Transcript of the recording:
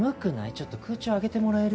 ちょっと空調上げてもらえる？